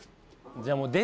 じゃあもう。